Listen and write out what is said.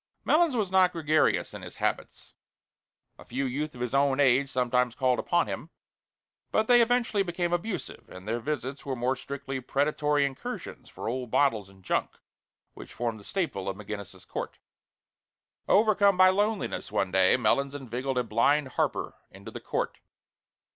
Melons was not gregarious in his habits. A few youth of his own age sometimes called upon him, but they eventually became abusive, and their visits were more strictly predatory incursions for old bottles and junk which formed the staple of McGinnis's Court. Overcome by loneliness one day, Melons inveigled a blind harper into the court.